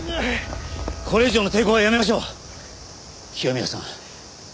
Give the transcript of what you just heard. これ以上の抵抗はやめましょう清宮さん。